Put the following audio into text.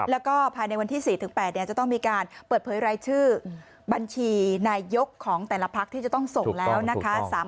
แล้วก็ภายในวันที่๔๘จะต้องมีการเปิดเผยรายชื่อบัญชีนายกของแต่ละพักที่จะต้องส่งแล้วนะคะ